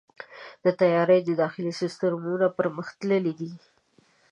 د طیارې داخلي سیستمونه پرمختللي دي.